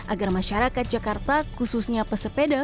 agar masyarakat jakarta khususnya pesepeda